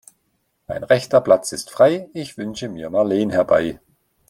Mein rechter Platz ist frei, ich wünsche mir Marleen herbei.